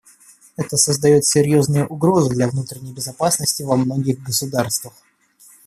Это создает серьезную угрозу для внутренней безопасности во многих государствах.